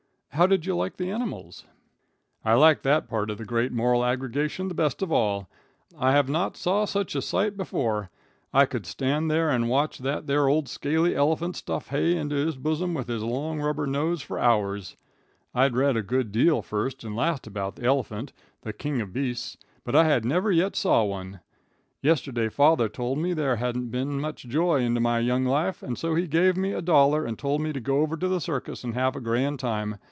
"How did you like the animals?" "I liked that part of the Great Moral Aggregation the best of all. I have not saw such a sight before. I could stand there and watch that there old scaly elephant stuff hay into his bosom with his long rubber nose for hours. I'd read a good deal first and last about the elephant, the king of beasts, but I had never yet saw one. Yesterday father told me there hadn't been much joy into my young life, and so he gave me a dollar and told me to go over to the circus and have a grand time.